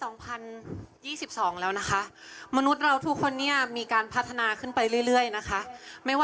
ใน๒๐๒๒แล้วนะคะมนุษย์เราทุกคนนี้มีการพัฒนาขึ้นไปเรื่อยนะคะ